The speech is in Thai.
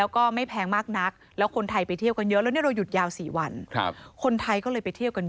ก็เลยไปเที่ยวกันเยอะ